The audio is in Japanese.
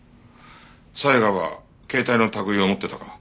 才賀は携帯の類いを持ってたか？